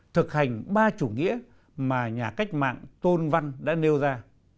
thực hành ba chủ nghĩa mà nhà cách mạng tôn văn đã nêu ra